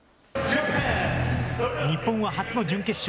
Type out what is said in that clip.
日本は初の準決勝。